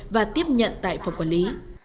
và tiếp nhận tại phòng quản lý